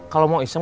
kalau mau iseng